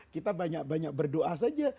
kita banyak banyak berdoa saja